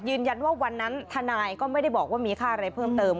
ยืนยันว่าวันนั้นทนายก็ไม่ได้บอกว่ามีค่าอะไรเพิ่มเติม